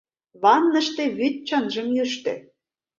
Ванныште вӱд чынжым йӱштӧ.